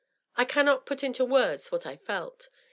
I cannot put in words what I felt.